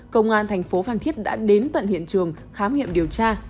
công an tp phan thiết đã đến tận hiện trường khám nghiệm điều tra